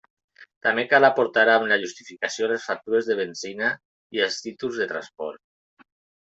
També cal aportar amb la justificació les factures de benzina i els títols de transport.